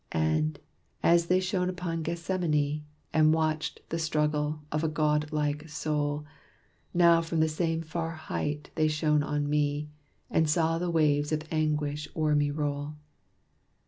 And, as they shone upon Gethsemane, And watched the struggle of a God like soul, Now from the same far height they shone on me, And saw the waves of anguish o'er me roll.